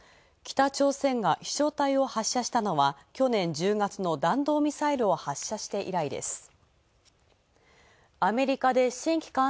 北朝鮮が飛翔体を発射したのは去年１０月の弾道ミサイルを発射して以来です。